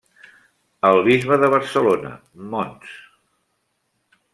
El Bisbe de Barcelona, Mons.